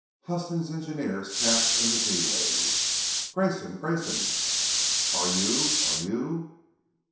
Huston's engineer snapped in the Z wave. "Grayson! Grayson! Are you are you?"